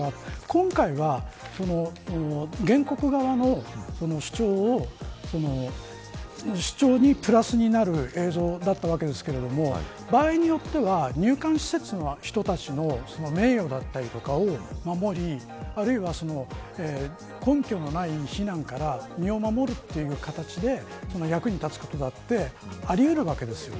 今回は原告側の主張にプラスになる映像だったわけですけれども場合によっては入管施設の人たちの名誉だったりを守りあるいは根拠のない非難から身を守るという形で役に立つことだってありうるわけです。